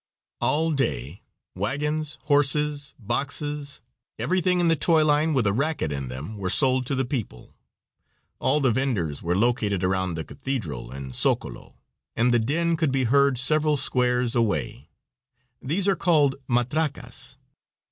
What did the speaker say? All day wagons, horses, boxes, everything in the toy line, with a racket in them, were sold to the people. All the venders were located around the cathedral and Zocolo, and the din could be heard several squares away. These are called matracas.